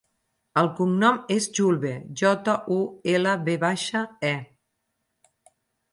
El cognom és Julve: jota, u, ela, ve baixa, e.